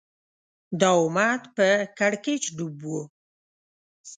دا امت په کړکېچ ډوب و